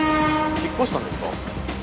引っ越したんですか？